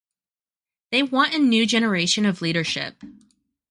They want a new generation of leadership.